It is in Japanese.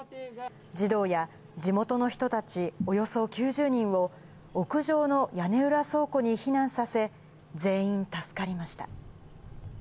児童や地元の人たちおよそ９０人を、屋上の屋根裏倉庫に避難させ、全員助かりました。